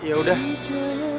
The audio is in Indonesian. iya dan apanya